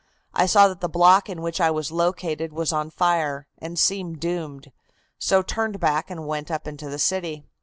I saw that the block in which I was located was on fire, and seemed doomed, so turned back and went up into the city.